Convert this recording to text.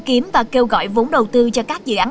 kiếm và kêu gọi vốn đầu tư cho các dự án